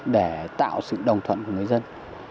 để tạo sự đồng thuận của người dân